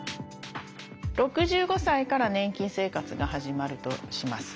６５歳から年金生活が始まるとします。